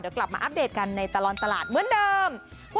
เดี๋ยวกลับมาอัปเดตกันในตลอดตลาดเหมือนเดิม